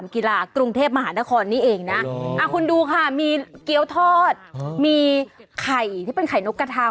กีฬากรุงเทพมหานครนี่เองนะคุณดูค่ะมีเกี้ยวทอดมีไข่ที่เป็นไข่นกกระทา